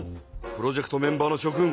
プロジェクトメンバーのしょ君。